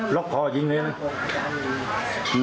หลอกคอยิงเลยนะ